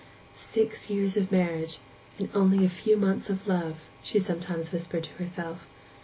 'Six years of marriage, and only a few months of love,' she sometimes whispered to herself.